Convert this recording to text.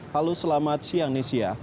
halo selamat siang nesia